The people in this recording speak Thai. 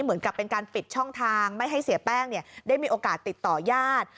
เหมือนกับเป็นการปิดช่องทางไม่ให้เสียแป้งได้มีโอกาสติดต่อญาติ